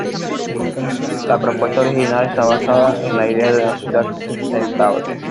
La propuesta original está basada en la idea de una ciudad sustentable.